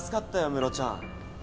ムロちゃん。